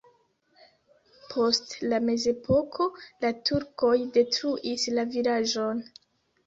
Post la mezepoko la turkoj detruis la vilaĝon.